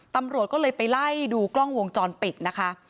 ตำรวจก็เลยไปไล่ดูกล้องวงจรปิดนะคะ